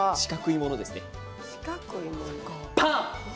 パン。